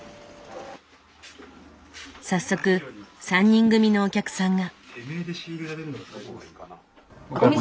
早速３人組のお客さんが。